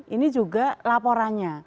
ini juga laporannya